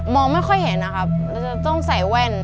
ไม่ค่อยเห็นนะครับเราจะต้องใส่แว่น